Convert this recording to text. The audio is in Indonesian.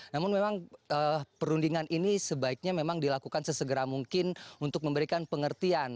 namun memang perundingan ini sebaiknya memang dilakukan sesegera mungkin untuk memberikan pengertian